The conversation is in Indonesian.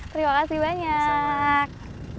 terima kasih banyak